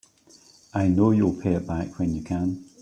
I know you'll pay it back when you can.